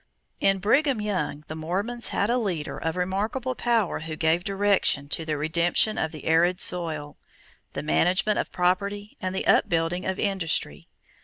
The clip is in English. _ In Brigham Young the Mormons had a leader of remarkable power who gave direction to the redemption of the arid soil, the management of property, and the upbuilding of industry.